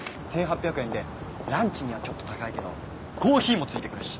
１、８００円でランチにはちょっと高いけどコーヒーも付いてくるし。